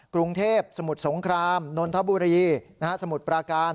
กรุงเทพสมุทรสงครามนนทบุรีสมุทรปราการ